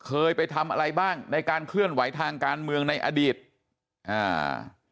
เคยไปทำอะไรบ้างในการเคลื่อนไหวทางการเมืองในอดีตเคยไปทำอะไรบ้างในการเคลื่อนไหวทางการเมืองในอดีต